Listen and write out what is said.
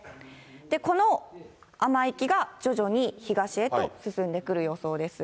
この雨域が徐々に東へと進んでくる予想です。